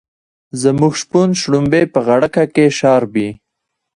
زموږ شپون شړومبی په غړکه کې شاربي.